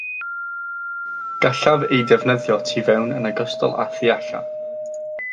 Gallaf ei defnyddio tu fewn yn ogystal â thu allan